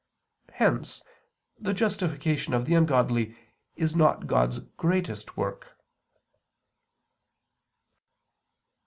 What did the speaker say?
Hence the justification of the ungodly is not God's greatest work.